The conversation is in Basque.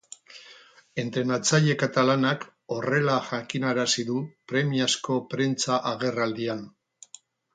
Entrenatzaile katalanak horrela jakinarazi du premiazko prentsa-agerraldian.